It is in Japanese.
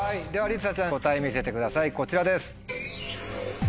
ではりさちゃん答え見せてくださいこちらです。